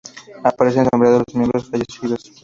Aparecen sombreados los miembros fallecidos.